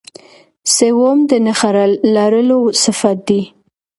سوم د نخښهلرلو صفت دئ.